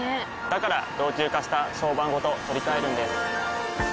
から老朽化した床版ごと取り替えるんです。